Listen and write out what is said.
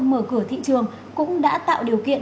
mở cửa thị trường cũng đã tạo điều kiện